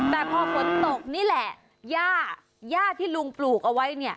แต่พอฝนตกนี่แหละย่าที่ลุงปลูกเอาไว้